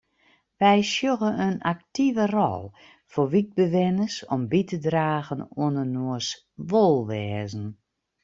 Wy sjogge in aktive rol foar wykbewenners om by te dragen oan inoars wolwêzen.